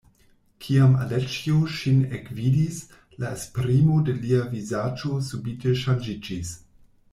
Kiam Aleĉjo ŝin ekvidis, la esprimo de lia vizaĝo subite ŝanĝiĝis.